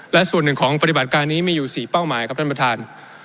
และส่วนหนึ่งของปฏิบัติการนี้มีอยู่๔เป้าหมายครับท่านประธาน